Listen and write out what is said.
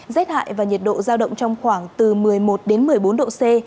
rét hại và nhiệt độ giao động trong khoảng từ một mươi một đến một mươi bốn độ c